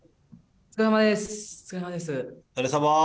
お疲れさまです。